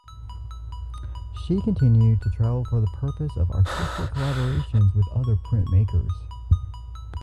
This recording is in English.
She continued to travel for the purpose of artistic collaborations with other printmakers.